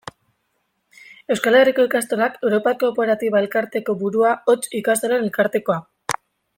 Euskal Herriko Ikastolak europar kooperatiba-elkarteko burua, hots, Ikastolen Elkartekoa.